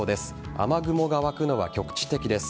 雨雲が湧くのは局地的です。